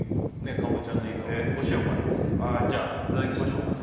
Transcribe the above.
かぼちゃのいい香りお塩もありますけどじゃあいただきましょうかね